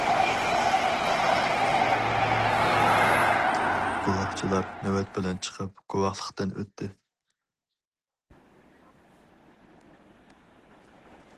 گۇۋاھچىلار نۆۋەت بىلەن چىقىپ گۇۋاھلىقتىن ئۆتتى.